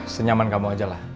senyaman kamu aja lah